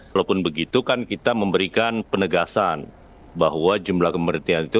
walaupun begitu kan kita memberikan penegasan bahwa jumlah kematian itu